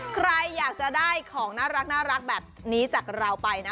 ใครอยากจะได้ของน่ารักแบบนี้จากเราไปนะ